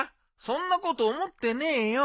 そんなこと思ってねえよ。